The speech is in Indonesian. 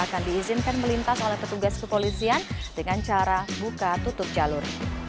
akan diizinkan melintas oleh petugas kepolisian dengan cara buka tutup jalur